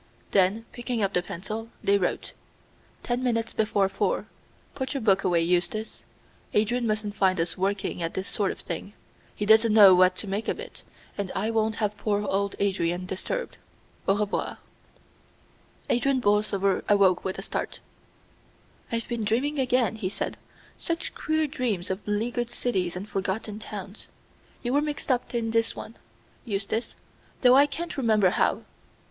Then, picking up the pencil, they wrote: "Ten minutes before four. Put your book away, Eustace. Adrian mustn't find us working at this sort of thing. He doesn't know what to make of it, and I won't have poor old Adrian disturbed. Au revoir." Adrian Borlsover awoke with a start. "I've been dreaming again," he said; "such queer dreams of leaguered cities and forgotten towns. You were mixed up in this one, Eustace, though I can't remember how.